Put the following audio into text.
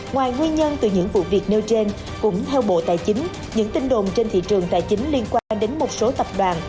ngoài nguyên nhân từ những vụ việc nêu trên cũng theo bộ tài chính những tin đồn trên thị trường tài chính liên quan đến một số tập đoàn